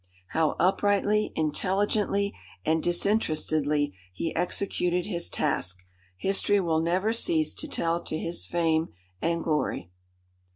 How uprightly, intelligently, and disinterestedly, he executed his task, history will never cease to tell to his fame and glory."